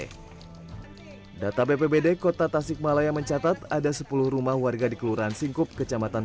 hai data bppd kota tasikmalaya mencatat ada sepuluh rumah warga di kelurahan singkup kecamatan